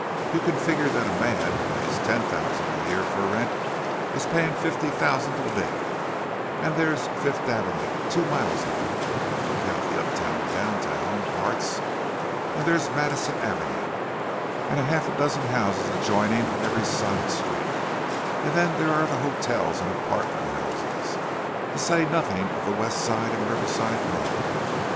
You can figure that a man who pays ten thousand a year for rent is paying fifty thousand to live; and there's Fifth Avenue—two miles of it, if you count the uptown and downtown parts; and there's Madison Avenue, and half a dozen houses adjoining on every side street; and then there are the hotels and apartment houses, to say nothing of the West Side and Riverside Drive.